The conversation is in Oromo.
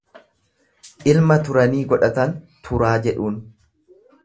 Ilma turanii godhatan Turaa jedhuun.